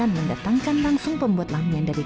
ia bahkan mendatangkan langsung pembuat lamian dari